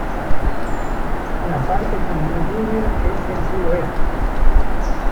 La parte con más lluvia es el suroeste.